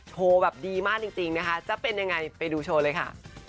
โชว์แบบดีมากจริงนะคะจะเป็นยังไงไปดูโชว์เลยค่ะ